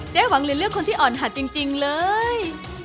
หวังเลยเลือกคนที่อ่อนหัดจริงเลย